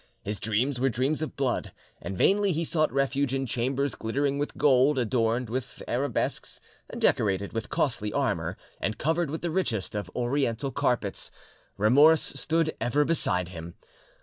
His dreams were dreams of blood, and vainly he sought refuge in chambers glittering with gold, adorned with arabesques, decorated with costly armour and covered with the richest of Oriental carpets, remorse stood ever beside him.